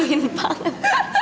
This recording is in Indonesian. kamu maluin banget